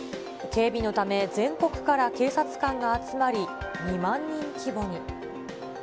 警備のため、全国から警察官が集まり、２万人規模に。